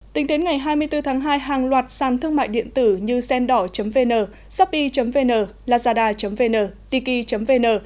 tính đến ngày hai mươi bốn tháng hai hàng loạt sàn thương mại điện tử như sendor vn shopee vn lazada vn tiki vn